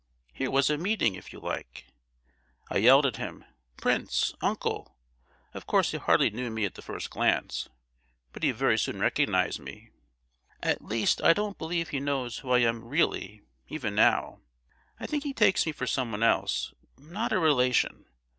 Here was a meeting, if you like! I yelled at him, 'Prince—uncle!' Of course he hardly knew me at the first glance, but he very soon recognised me. At least, I don't believe he knows who I am really, even now; I think he takes me for someone else, not a relation.